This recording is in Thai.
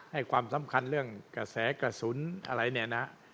ให้ความสำคัญเรื่องกระแสกระสุนอะไรเนี่ยนะ